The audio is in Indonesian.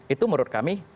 itu menurut kami